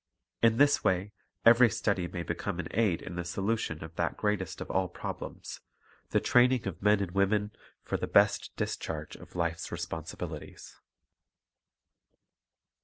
In this way every study may become an aid in the solution of that greatest of all problems, the training of men and women for the best discharge of life's responsibilities.